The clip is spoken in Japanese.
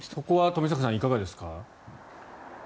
そこは冨坂さんいかがですか？